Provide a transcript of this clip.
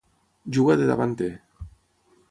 Juga de davanter.